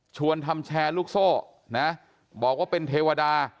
ทำแชร์ลูกโซ่นะบอกว่าเป็นเทวดา